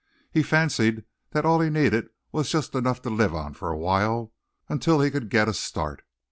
He fancied that all he needed was just enough to live on for a little while until he could get a start.